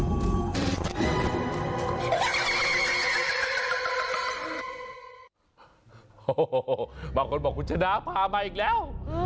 โอ้โหบางคนบอกคุณชนะพามาอีกแล้ว